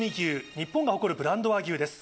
日本が誇るブランド和牛です。